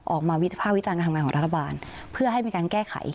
วิภาควิจารณการทำงานของรัฐบาลเพื่อให้มีการแก้ไข